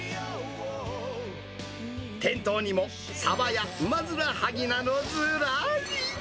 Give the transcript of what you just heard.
店頭にもサバやウマヅラハギなど、ずらり。